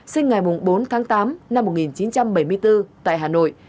sinh ngày bốn tháng tám năm một nghìn chín trăm bảy mươi bốn tại hà nội